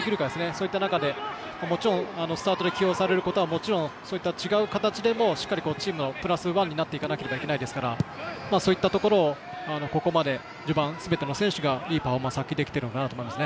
そういった中でスタートで起用されることは違う形でもチームのプラスワンにならないといけないですからそういったところをここまで序盤すべての選手がいいパフォーマンスを発揮できているかなと思います。